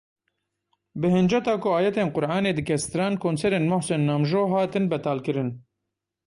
Bi hinceta ku “ayetên Quranê dike stran” konserên Mohsen Namjoo hatin betalkirin.